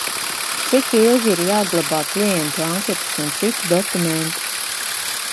Cik ilgi ir jāglabā klientu anketas un citi dokumenti?